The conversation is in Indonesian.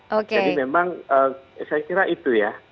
memang saya kira itu ya